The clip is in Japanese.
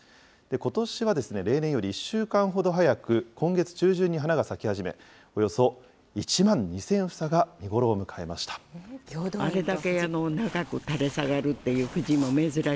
ことしは例年より１週間ほど早く、今月中旬に花が咲き始め、およそ１万２０００房が見頃を迎えました。